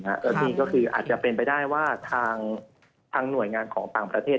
อันนี้ก็คืออาจจะเป็นไปได้ว่าทางหน่วยงานของต่างประเทศ